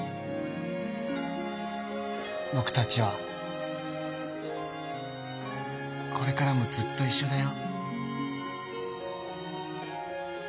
「ぼくたちはこれからもずっといっしょだよ」。